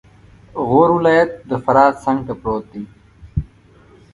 غور ولایت د فراه څنګته پروت دی